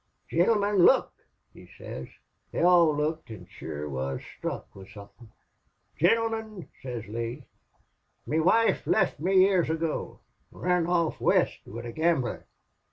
'Gintlemen, look!' he sez. They all looked, an' shure wuz sthruck with somethin'. "'Gintlemen,' sez Lee, 'me wife left me years ago ran off West wid a gambler.